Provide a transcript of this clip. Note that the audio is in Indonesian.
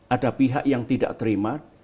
ada pihak yang tidak terima